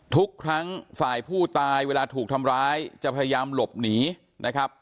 ทุกครั้งฝ่ายผู้ตายเวลาถูกทำร้ายจะพยายามหลบหนีนะครับ